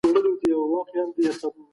بې خوبي اوږد مهاله ستونزه کیدی شي.